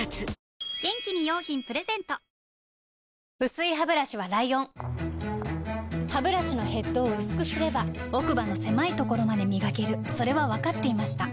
薄いハブラシはライオンハブラシのヘッドを薄くすれば奥歯の狭いところまで磨けるそれは分かっていました